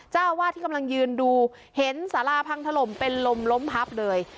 เจ้าอาวาสที่กำลังยืนดูเห็นสาราพังถล่มเป็นลมล้มพับเลย